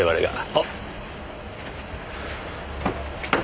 はっ。